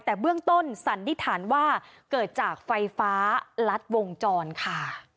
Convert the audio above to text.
แต่เบื้องต้นสันนิษฐานว่าเกิดจากไฟฟ้ารัดวงจรค่ะ